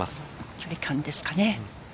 距離感ですかね。